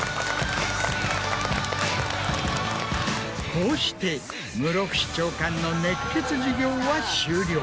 こうして室伏長官の熱血授業は終了。